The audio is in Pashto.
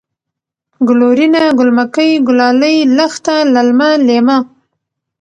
گلورينه ، گل مکۍ ، گلالۍ ، لښته ، للمه ، لېمه